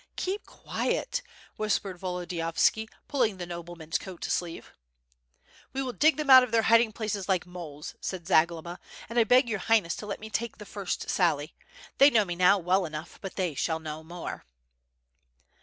"Keep quiet," whispered Volodiyovski, pulling the noble man's coat sleeve. *^e will dig them out of their hiding places like moles," said Zagloba, "and I beg your Highness to let me take the first saJly; they know me now well enough, but they shall know more."